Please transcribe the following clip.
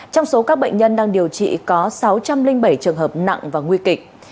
trong số các bệnh nhân đang điều trị có sáu trăm linh bảy trường hợp nặng và nguy kịch